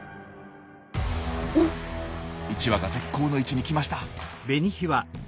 １羽が絶好の位置に来ました。